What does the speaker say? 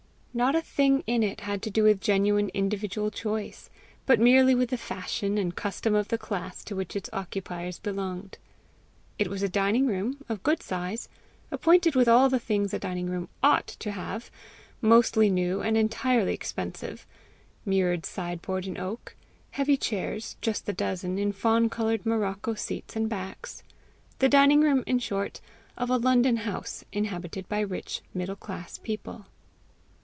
Not a thing in it had to do with genuine individual choice, but merely with the fashion and custom of the class to which its occupiers belonged. It was a dining room, of good size, appointed with all the things a dining room "ought" to have, mostly new, and entirely expensive mirrored sideboard in oak; heavy chairs, just the dozen, in fawn coloured morocco seats and backs the dining room, in short, of a London house inhabited by rich middle class people.